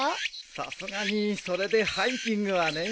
さすがにそれでハイキングはね。